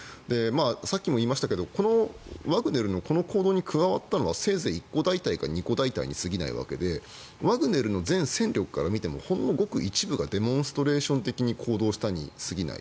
さっきも言いましたけどワグネルのこの行動に加わったのはせいぜい１個大隊か２個大隊に過ぎないわけでワグネルの全戦力から見てもほんのごく一部がデモンストレーション的に行動したに過ぎない。